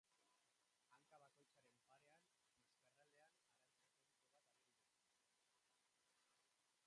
Hanka bakoitzaren parean, bizkarraldean, arantza koniko bat ageri du.